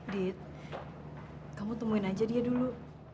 dit kamu temuin aja dia dulu